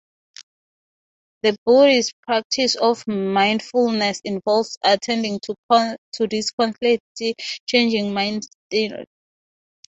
The Buddhist practice of mindfulness involves attending to this constantly changing mind-stream.